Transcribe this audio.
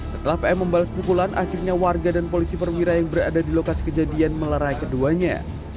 setelah pm membalas pukulan akhirnya warga dan polisi perwira yang berada di lokasi kejadian melerai keduanya